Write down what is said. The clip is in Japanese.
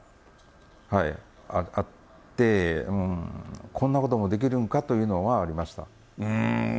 はい、あって、こんなこともできるんかというのはありました。